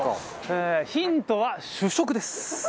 ええーヒントは主食です。